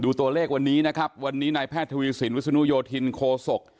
ตัวเลขวันนี้นะครับวันนี้นายแพทย์ทวีสินวิศนุโยธินโคศก